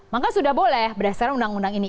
maka sudah boleh berdasarkan undang undang ini